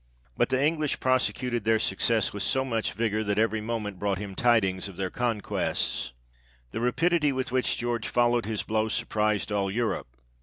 But the English prosecuted their success with so much vigour, that every moment brought him tidings of their conquests. The rapidity with which George followed his blow surprised all Europe.